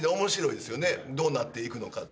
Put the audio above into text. どうなっていくのか。